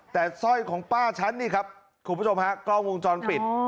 แต่สร้อยของป้าฉันนี่ครับคุณผู้ชมฮะกล้องวงจรปิด